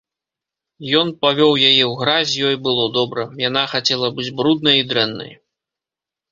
Ён павёў яе ў гразь, ёй было добра, яна хацела быць бруднай і дрэннай.